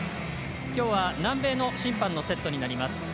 今日は、南米の審判のセットとなります。